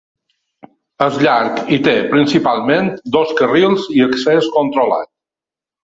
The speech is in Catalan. És llarg i té, principalment, dos carrils i accés controlat.